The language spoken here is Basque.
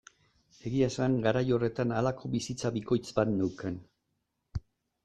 Egia esan garai horretan halako bizitza bikoitz bat neukan.